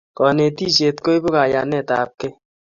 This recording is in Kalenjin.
Kanetishet koipu kayaenet ab kei